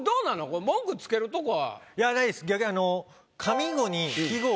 これ文句つけるとこは？いやないです。